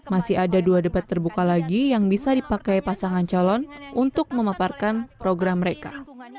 masih ada dua debat terbuka lagi yang bisa dipakai pasangan calon untuk memaparkan program mereka